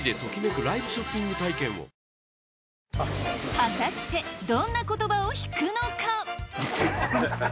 果たしてどんな言葉を引くのか？